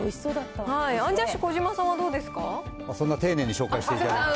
そんな丁寧に紹介していただいて。